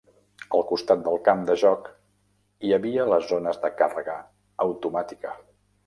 Al costat del camp de joc hi havia les zones de càrrega automàtica.